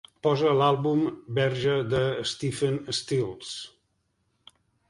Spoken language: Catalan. Posa l'àlbum Verge de Stephen Stills.